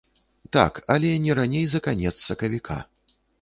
Так, але не раней за канец сакавіка.